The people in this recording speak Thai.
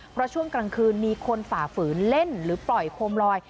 เพราะช่วงกลางคืนมีคนฝ่าฝืนเล่นหรือปล่อยโคมลอย